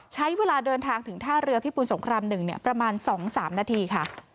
ใช้เวลาเดินทางถึงท่าเรือพิบูรสงคราม๑ประมาณ๒๓นาทีค่ะ